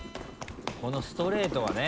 このストレートはね。